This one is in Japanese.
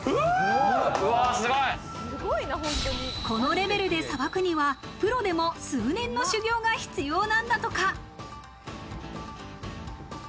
このレベルでさばくにはプロでも数年の修行が必要なんだとか。